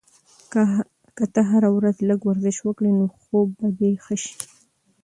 که ته هره ورځ لږ ورزش وکړې، نو خوب به دې ښه شي.